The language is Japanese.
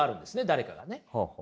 誰かがね。